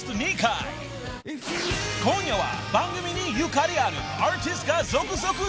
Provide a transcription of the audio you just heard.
［今夜は］